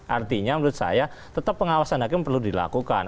artinya menurut saya tetap pengawasan hakim perlu dilakukan